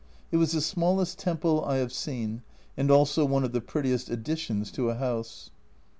It was the smallest temple I have seen, and also one of the prettiest additions to a house.